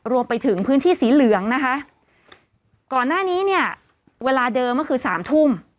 รวมไปถึงพื้นที่สีเหลืองนะคะก่อนหน้านี้เนี่ยเวลาเดิมก็คือสามทุ่ม